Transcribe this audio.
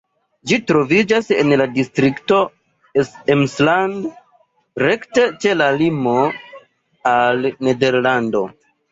Ĝi troviĝas en la distrikto Emsland, rekte ĉe la limo al Nederlando.